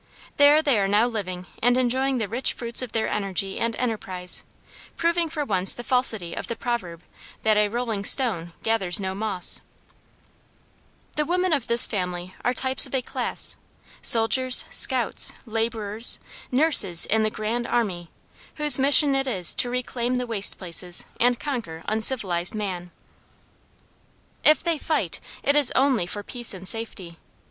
There they are now living and enjoying the rich fruits of their energy and enterprise, proving for once the falsity of the proverb that "a rolling stone gathers no moss." [Illustration: WAGON TRAIN ON THE PRAIRIE] The women of this family are types of a class soldiers, scouts, laborers, nurses in the "Grand Army," whose mission it is to reclaim the waste places and conquer uncivilized man. If they fight, it is only for peace and safety.